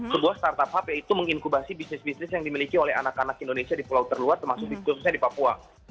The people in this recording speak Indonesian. sebuah startup hub yaitu menginkubasi bisnis bisnis yang dimiliki oleh anak anak indonesia di pulau terluar termasuk khususnya di papua